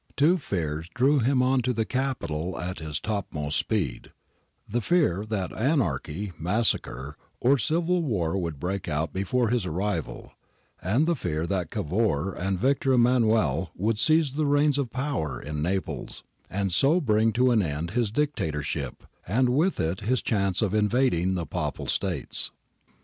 Two fears drew him on to the capital at his topmost speed : the fear that anarchy, massacre, or civil war would break out be fore his arrival ; and the fear that Cavour and Victor Emmanuel would seize the reins of power in Naples and so bring to an end his Dictatorship and with it his chance of invading the Papal States.